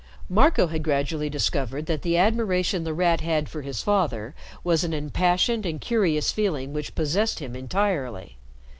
Marco had gradually discovered that the admiration The Rat had for his father was an impassioned and curious feeling which possessed him entirely.